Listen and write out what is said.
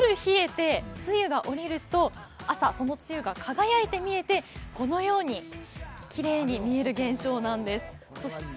夜冷えて露が下りると朝その露が輝いて見えてこのように、きれいに見える現象なんです。